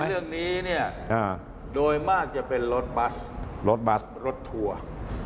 เรื่องนี้เนี่ยโดยมากจะเป็นรถบัสรถบัสรถทัวร์